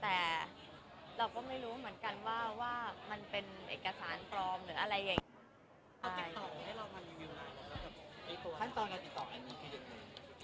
แต่เราก็ไม่รู้เหมือนกันว่ามันเป็นเอกสารปลอมหรืออะไรอย่างนี้